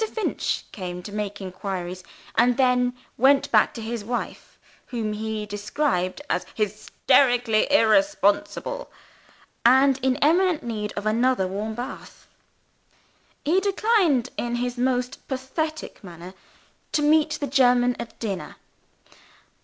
Finch came to make inquiries, and then went back to his wife whom he described as "hysterically irresponsible," and in imminent need of another warm bath. He declined, in his most pathetic manner, to meet the German at dinner.